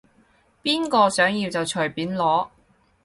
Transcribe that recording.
邊個想要就隨便攞